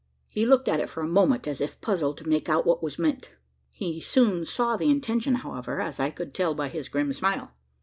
He looked at it for a moment, as if puzzled to make out what was meant. He soon saw the intention, however, as I could tell by his grim smile.